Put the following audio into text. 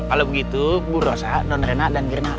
kalau begitu bu rosa donrena dan mirna